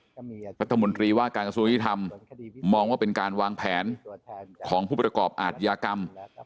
รัฐมนตรีว่าการกระทรวงยุทธรรมมองว่าเป็นการวางแผนของผู้ประกอบอาทยากรรม